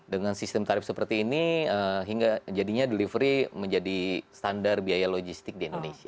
dengan sistem tarif seperti ini hingga jadinya delivery menjadi standar biaya logistik di indonesia